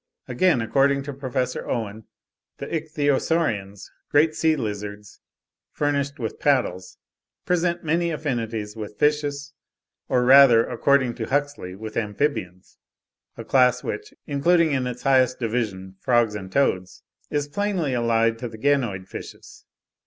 Again, according to Prof. Owen (22. 'Palaeontology' 1860, p. 199.), the Ichthyosaurians—great sea lizards furnished with paddles—present many affinities with fishes, or rather, according to Huxley, with amphibians; a class which, including in its highest division frogs and toads, is plainly allied to the Ganoid fishes.